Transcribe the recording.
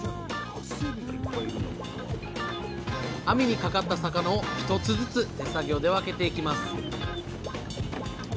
網にかかった魚を一つずつ手作業で分けていきます